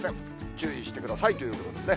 注意してくださいということですね。